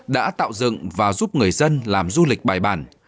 đã tạo dựng và giúp người dân làm du lịch bài bản